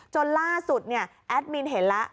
จนล่าสุดเนี่ยแอดมินเห็นแล้ว